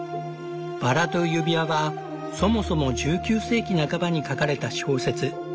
「バラと指輪」はそもそも１９世紀半ばに書かれた小説。